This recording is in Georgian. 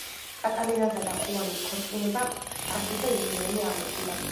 კატალინასა და ხუანის ქორწინება არც ისე იღბლიანი აღმოჩნდა.